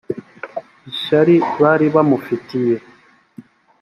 ishyari bari bamufitiye